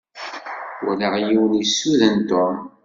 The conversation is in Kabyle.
Walaɣ yiwen yessuden Tom.